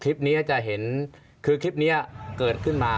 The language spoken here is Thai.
คลิปนี้จะเห็นคือคลิปนี้เกิดขึ้นมา